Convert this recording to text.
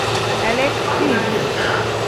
Alex, please!